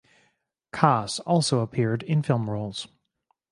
Kaas also appeared in film roles.